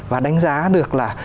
và đánh giá được là